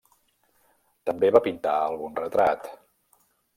També va pintar algun retrat.